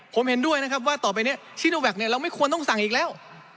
ผมเห็นด้วยนะครับว่าต่อไปเนี่ยชิโนแวคเนี่ยเราไม่ควรต้องสั่งอีกแล้ว